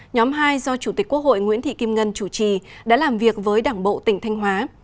nhóm hai do chủ tịch quốc hội nguyễn thị kim ngân chủ trì đã làm việc với đảng bộ tỉnh thanh hóa